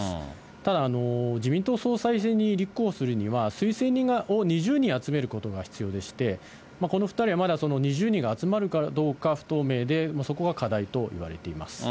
ただ、自民党総裁選に立候補するには推薦人を２０人集めることが必要でして、この２人はまだその２０人が集まるかどうか不透明で、そこが課題といわれています。